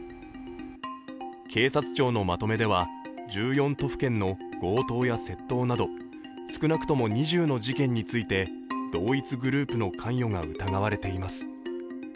警察庁のまとめでは１４都府県の強盗や窃盗など少なくとも２０の事件について同一グループの関与が疑われています。